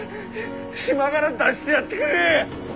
島がら出してやってくれぇ！